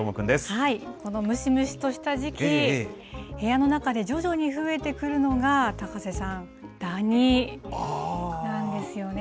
このムシムシとした時期、部屋の中で徐々に増えてくるのが高瀬さん、ダニなんですよね。